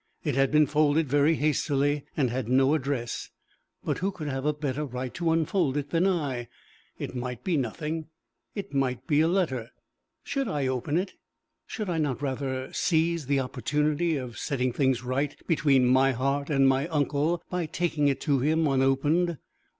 It had been folded very hastily, and had no address, but who could have a better right to unfold it than I! It might be nothing; it might be a letter. Should I open it? Should I not rather seize the opportunity of setting things right between my heart and my uncle by taking it to him unopened?